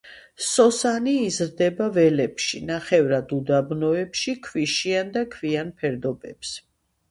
სოსანი იზრდება ველებში, ნახევრად უდაბნოებში, ქვიშიან და ქვიან ფერდობებზე.